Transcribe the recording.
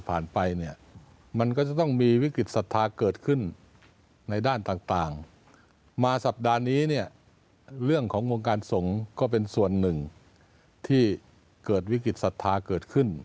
โปรดติดตามตอนต่อไป